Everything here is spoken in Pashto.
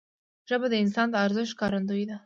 ژبه د انسان د ارزښت ښکارندوی ده